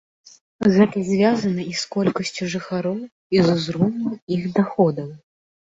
Гэта звязана і з колькасцю жыхароў, і з узроўнем іх даходаў.